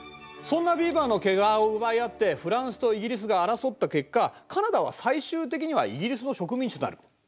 そんなビーバーの毛皮を奪い合ってフランスとイギリスが争った結果カナダは最終的にはイギリスの植民地となる。